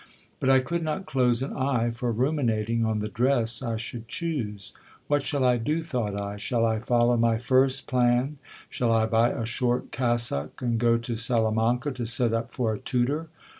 But I could not close an eye for ruminating on the dress I should choose. What shall I do, thought I ? Shall I follow my first plan ? Shall I buy a short cassock, and go to Salamanca to set up for a tutor